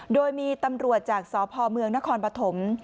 โดยมีตำรวจจากสพเมืองนครปฐม